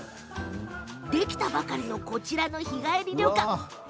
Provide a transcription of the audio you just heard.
できたばかりのこちらの日帰り旅館。